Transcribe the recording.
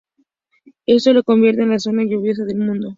Esto la convierte en la zona más lluviosa del mundo.